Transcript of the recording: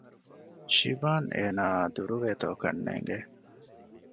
ޝިބާން އޭނާއާ ދުރުވޭތޯ ކަންނޭނގެ